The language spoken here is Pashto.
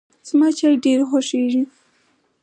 زما چای ډېر خوښیږي.